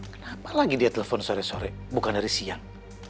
kenapa lagi dia telepon sore sore bukan dari siang